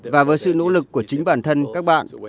và với sự nỗ lực của chính bản thân các bạn